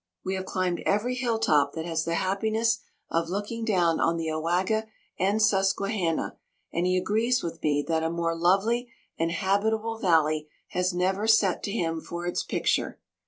We have climbed every hill top that has the happiness of looking down on the Owaga and Susquehanna, and he agrees with me that a more lovely and habitable valley has never sat to him for its picture.